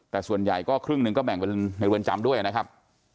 แต่ส่วนใหญ่ก็ครึ่งหนึ่งก็แบ่งเป็นในเรือนจำด้วยนะครับ